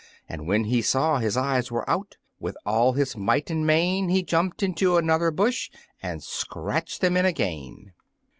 And when he saw his eyes were out, With all his might and main He jumped into another bush And scratched them in again!